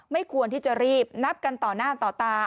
ไม่ควรที่จะรีบนับกันต่อหน้าต่อตา